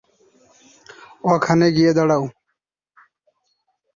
ওখানে গিয়ে দাঁড়া।